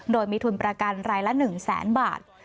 โดยมีทุนประกันรายละ๑แสนบาท